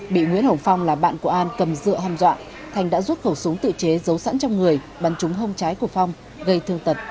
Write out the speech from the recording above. bị nguyễn hồng phong là bạn của an cầm dựa hầm dọa thành đã rút khẩu súng tự chế giấu sẵn trong người bắn trúng hông trái của phong gây thương tật bảy mươi một